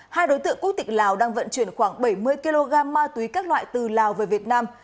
hai đối tượng quốc tịch lào đang vận chuyển khoảng bảy mươi kg ma túy các loại từ lào về việt nam